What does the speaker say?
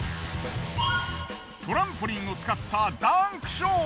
トランポリンを使ったダンクショー。